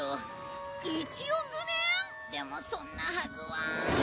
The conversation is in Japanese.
でもそんなはずは。